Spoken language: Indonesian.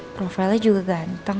profilenya juga ganteng